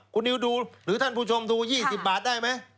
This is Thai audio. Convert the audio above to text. คุณนิวดูหรือท่านผู้ชมดู๒๐บาทได้ไหม